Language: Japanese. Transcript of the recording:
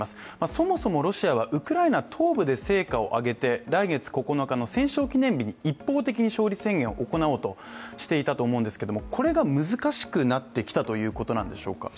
そもそも、ロシアはウクライナ東部で成果を上げて来月９日の戦勝記念日に一方的に勝利宣言を行おうとしていたということなんですけどもこれが難しくなってきたということなんでしょうか？